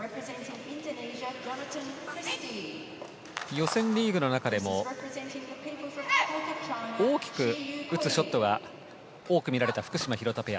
予選リーグの中でも大きく打つショットが多く見られた福島、廣田ペア。